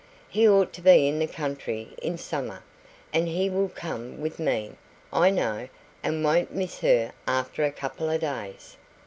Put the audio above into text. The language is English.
He ought to be in the country in summer, and he will come with me, I know, and won't miss her after a couple of days.